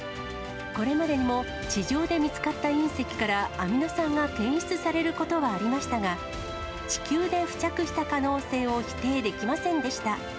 これまでにも、地上で見つかった隕石からアミノ酸が検出されることはありましたが、地球で付着した可能性を否定できませんでした。